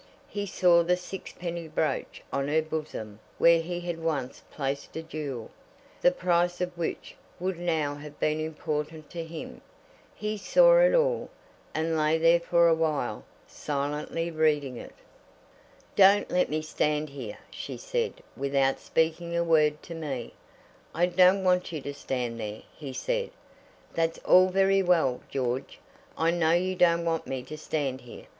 He saw the sixpenny brooch on her bosom where he had once placed a jewel, the price of which would now have been important to him. He saw it all, and lay there for a while, silently reading it. "Don't let me stand here," she said, "without speaking a word to me." "I don't want you to stand there," he said. "That's all very well, George. I know you don't want me to stand here.